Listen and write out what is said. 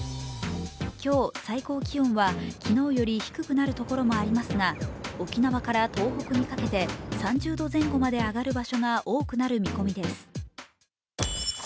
今日、最高気温は昨日より低くなるところもありますが沖縄から東北にかけて、３０度前後まで上がる場所が多くなる見込みです。